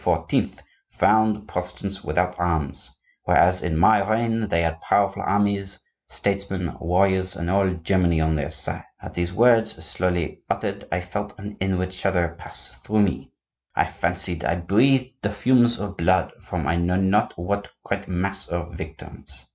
found the Protestants without arms, whereas in my reign they had powerful armies, statesmen, warriors, and all Germany on their side.' At these words, slowly uttered, I felt an inward shudder pass through me. I fancied I breathed the fumes of blood from I know not what great mass of victims.